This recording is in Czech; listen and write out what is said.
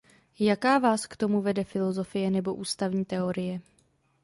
Jaká vás k tomu vede filozofie nebo ústavní teorie?